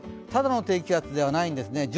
ただの低気圧ではないんですね。